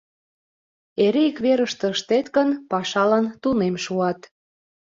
Эре ик верыште ыштет гын, пашалан тунем шуат.